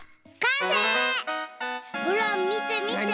ほらみてみて！